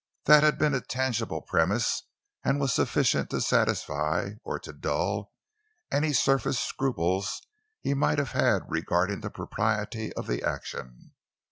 That had been a tangible premise, and was sufficient to satisfy, or to dull, any surface scruples he might have had regarding the propriety of the action.